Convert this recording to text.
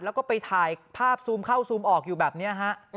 แล้วก็ไปถ่ายภาพซูมเข้าซูมออกอยู่แบบนี้ฮะ